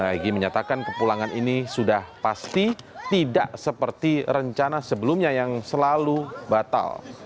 egy menyatakan kepulangan ini sudah pasti tidak seperti rencana sebelumnya yang selalu batal